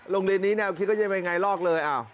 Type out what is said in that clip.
โรงเรียนนี้แนวคิดก็จะเป็นไงลอกเลย